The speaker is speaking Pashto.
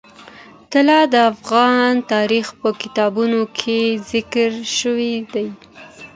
طلا د افغان تاریخ په کتابونو کې ذکر شوی دي.